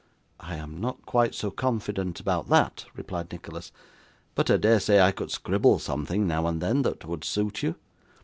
'I am not quite so confident about that,' replied Nicholas. 'But I dare say I could scribble something now and then, that would suit you.